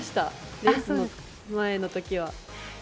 レースの前の時は。